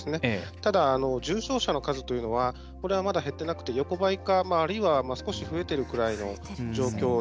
ただ、重症者の数というのはこれは、まだ減ってなくて横ばいか、あるいは少し増えてるぐらいの状況で。